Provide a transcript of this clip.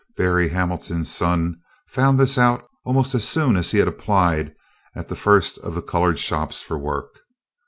Berry Hamilton's son found this out almost as soon as he had applied at the first of the coloured shops for work.